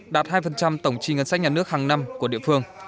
đạt hai tổng chi ngân sách nhà nước hàng năm của địa phương